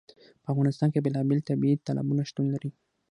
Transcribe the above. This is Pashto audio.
په افغانستان کې بېلابېل طبیعي تالابونه شتون لري.